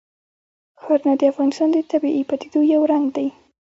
ښارونه د افغانستان د طبیعي پدیدو یو رنګ دی.